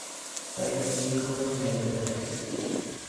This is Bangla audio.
চাইলে গ্রিল করেও নেওয়া যেতে পারে।